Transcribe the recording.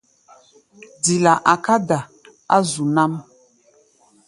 Dila a̧ká̧ da̧ á zu nám.